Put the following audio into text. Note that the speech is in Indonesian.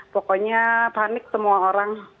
pokoknya panik semua orang